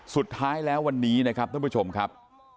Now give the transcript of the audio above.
สุดท้ายแล้ววันนี้นะครับท่านผู้ชมครับ